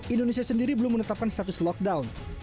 indonesia sendiri belum menetapkan status lockdown